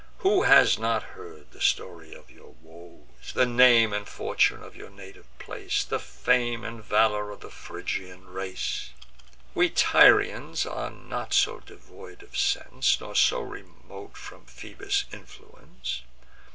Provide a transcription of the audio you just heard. Who has not heard the story of your woes, The name and fortune of your native place, The fame and valour of the Phrygian race? We Tyrians are not so devoid of sense, Nor so remote from Phoebus' influence.